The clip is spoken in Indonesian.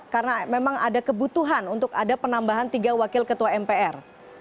karena memang ada kebutuhan untuk ada penambahan tiga wakil ketua mpr